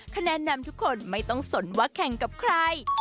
คะแนนนำทุกคนไม่ต้องสนว่าแข่งกับใคร